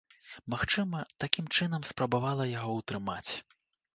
Магчыма, такім чынам спрабавала яго ўтрымаць.